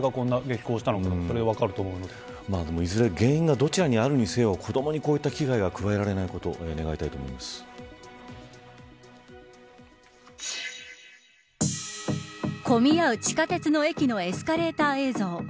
何で男性が激高したのか分からないですけど原因がどちらにあるにせよ子どもにこういった危害が加えられないことを混み合う地下鉄の駅のエスカレーター映像。